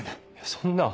そんな。